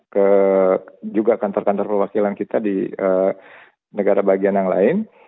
ke juga kantor kantor perwakilan kita di negara bagian yang lain